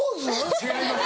違います！